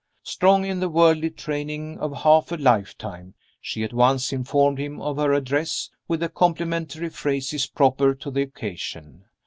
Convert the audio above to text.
Strong in the worldly training of half a lifetime, she at once informed him of her address, with the complimentary phrases proper to the occasion.